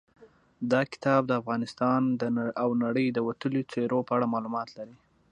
دا کتاب د افغانستان او نړۍ د وتلیو څېرو په اړه معلومات لري.